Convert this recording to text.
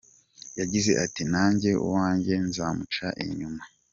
Yagiye ati “Nanjye uwanjye nzamuca inyuma.